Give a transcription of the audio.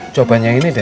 cobain yang ini deh